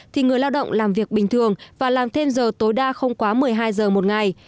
thì người lao động làm việc bình thường và làm thêm giờ tối đa không quá một mươi hai giờ một ngày